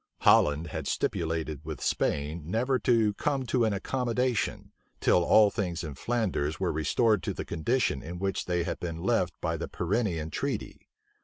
Holland had stipulated with Spain never to come to an accommodation, till all things in Flanders were restored to the condition in which they had been left by the Pyrenean treaty.